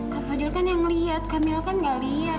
kak fadil kan yang lihat kamil kan gak lihat